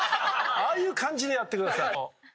ああいう感じでやってください。